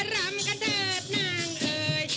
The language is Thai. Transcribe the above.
ลำกันเถิดนั่งเอ่ย